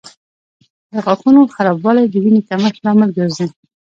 د غاښونو خرابوالی د وینې کمښت لامل ګرځي.